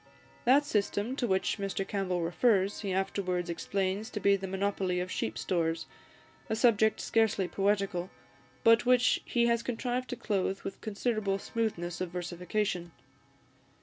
That system to which Mr Campbell refers, he afterwards explains to be the monopoly of sheep stores, a subject scarcely poetical, but which he has contrived to clothe with considerable smoothness of versification.